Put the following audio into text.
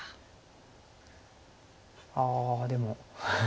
ああでも。